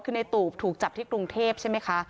คือในตูบถูกจับที่กรุงเทพใช่ไหมคะ